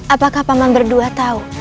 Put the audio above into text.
apakah paman berdua tahu